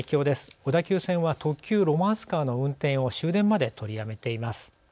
小田急線は特急ロマンスカーの運転を終電まで取りやめています。